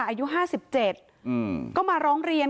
อายุ๕๗ก็มาร้องเรียน